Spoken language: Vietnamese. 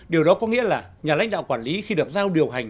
điều đó có nghĩa là nhà lãnh đạo quản lý khi được giao điều hành